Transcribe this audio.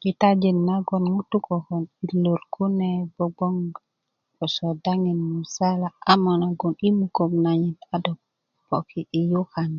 kitajin nagoŋ ŋutu' koko i lor ni kune gbogboŋ gboso daŋin musala ama nagon yi mukök nanyit a do poki i yukan